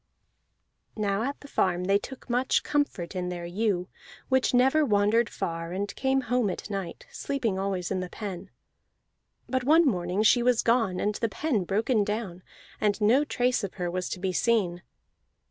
Now at the farm they took much comfort in their ewe, which never wandered far, and came home at night, sleeping always in the pen. But one morning she was gone and the pen broken down, and no trace of her was to be seen.